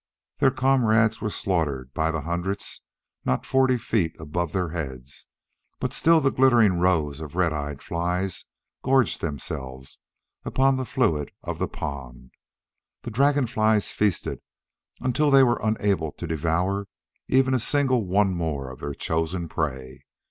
Their comrades were slaughtered by the hundreds not forty feet above their heads, but still the glittering rows of red eyed flies gorged themselves upon the fluid of the pond. The dragonflies feasted until they were unable to devour even a single one more of their chosen prey.